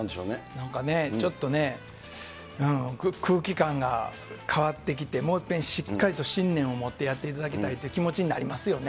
なんかね、ちょっとね、空気感が変わってきて、もういっぺんしっかりと信念を持ってやっていただきたいという気持ちになりますよね。